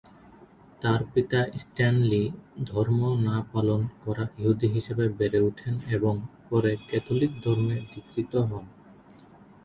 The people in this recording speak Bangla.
তার পিতা স্ট্যানলি ধর্ম না পালন করা ইহুদি হিসেবে বেড়ে ওঠেন এবং পরে ক্যাথলিক ধর্মে দীক্ষিত হন।